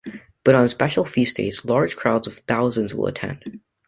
But on special feast days, large crowds of thousands will attend.